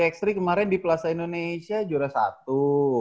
x tiga kemarin di plaza indonesia juara satu